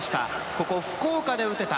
ここ、福岡で打てた。